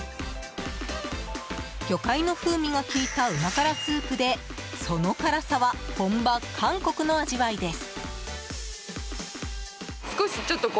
魚介の風味が利いたうま辛スープでその辛さは本場・韓国の味わいです。